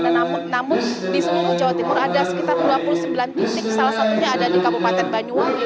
namun di seluruh jawa timur ada sekitar dua puluh sembilan titik salah satunya ada di kabupaten banyuwangi